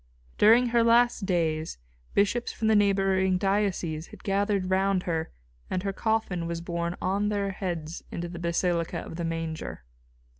During her last days bishops from the neighbouring dioceses had gathered round her and her coffin was borne on their heads into the basilica of the Manger.